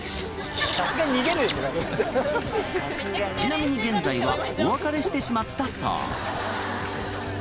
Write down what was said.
ちなみに現在はお別れしてしまったそう。